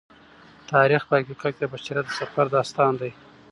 تاریخ په حقیقت کې د بشریت د سفر داستان دی.